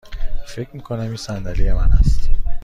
فکر می کنم این صندلی من است.